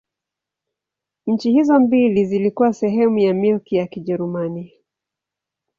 Nchi hizo mbili zilikuwa sehemu ya Milki ya Kijerumani.